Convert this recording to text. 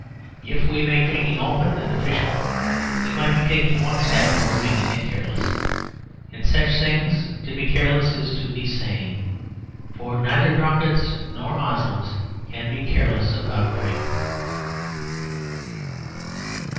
If we made drinking open and official we might be taking one step towards making it careless. In such things to be careless is to be sane: for neither drunkards nor Moslems can be careless about drink.